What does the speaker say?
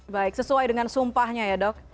baik sesuai dengan sumpahnya ya dok